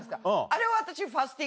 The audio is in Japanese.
あれを私。